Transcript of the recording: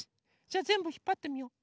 じゃあぜんぶひっぱってみよう。